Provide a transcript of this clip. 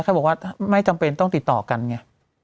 เขาบอกว่าไม่จำเป็นต้องติดต่อกันไง